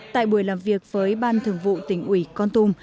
tại buổi làm việc với ban thường vụ tỉnh ủy con tum